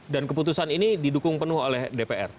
dan keputusan ini didukung penuh oleh dpr